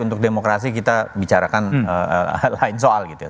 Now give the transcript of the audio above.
untuk demokrasi kita bicarakan lain soal gitu ya